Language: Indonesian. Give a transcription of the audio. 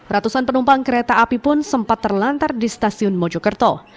ratusan penumpang kereta api pun sempat terlantar di stasiun mojokerto